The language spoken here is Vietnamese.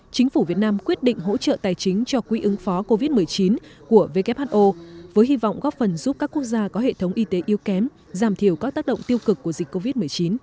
chính phủ việt nam quyết định hỗ trợ tài chính cho quỹ ứng phó covid một mươi chín của who với hy vọng góp phần giúp các quốc gia có hệ thống y tế yếu kém giảm thiểu các tác động tiêu cực của dịch covid một mươi chín